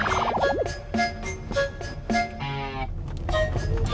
apa yang mau anggel lakuin